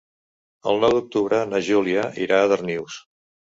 El nou d'octubre na Júlia irà a Darnius.